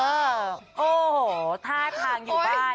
โอ้โหท่าทางอยู่บ้าน